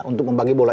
untuk membagi bola